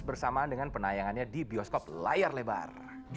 bersamaan dengan penayangannya di bioskop layar lebar